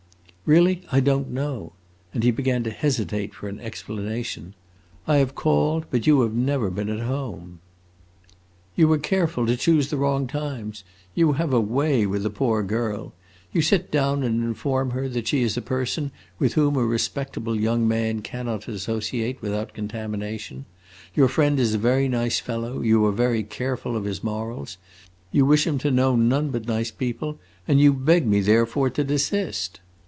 "Really, I don't know." And he began to hesitate for an explanation. "I have called, but you have never been at home." "You were careful to choose the wrong times. You have a way with a poor girl! You sit down and inform her that she is a person with whom a respectable young man cannot associate without contamination; your friend is a very nice fellow, you are very careful of his morals, you wish him to know none but nice people, and you beg me therefore to desist.